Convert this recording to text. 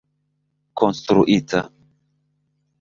konstruita